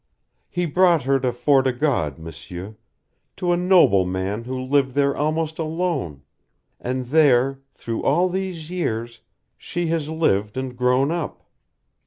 He brought her to Fort o' God, M'sieur to a noble man who lived there almost alone; and there, through all these years, she has lived and grown up.